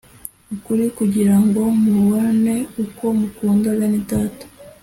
ukuri kugira ngo mubone uko mukunda bene data